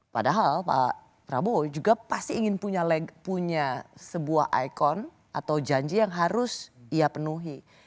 padahal pak prabowo juga pasti ingin punya sebuah ikon atau janji yang harus ia penuhi